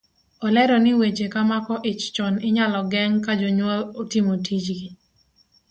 Olero ni weche ka mako ich chon inyalo geng' ka jonyuol otimo tijgi.